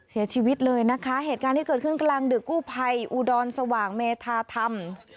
เสียชีวิตเลยนะคะเหตุการณ์ที่เกิดขึ้นกลางดึกกู้ภัยอุดรสว่างเมธาธรรม